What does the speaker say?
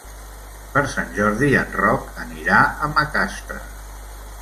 Per Sant Jordi en Roc anirà a Macastre.